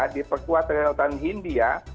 diperkuat rilatan hindia